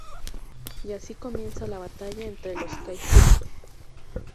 Y así comienza la batalla entre los "kaiju"...